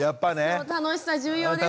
楽しさ重要ですね。